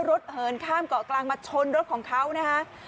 เหินข้ามเกาะกลางมาชนรถของเขานะคะ